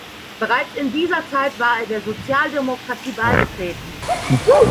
Bereits in dieser Zeit war er der Sozialdemokratie beigetreten.